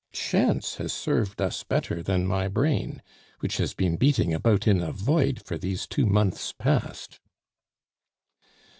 Chance has served us better than my brain, which has been beating about in a void for these two months past."